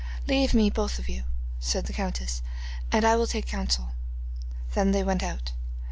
'Leave me, both of you,' said the countess, 'and I will take counsel.' Then they went out.